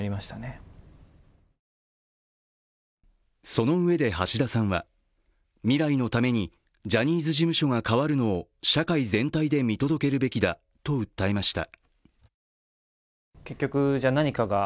そのうえで橋田さんは未来のためにジャニーズ事務所が変わるのを社会全体で見届けるべきだと訴えました。